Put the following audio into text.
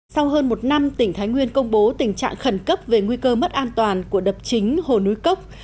sau hơn một năm tỉnh thái nguyên công bố tình trạng khẩn cấp về nguy cơ mất an toàn của đập chính hồ núi cốc